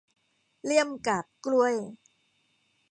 เลี่ยมกาบกล้วย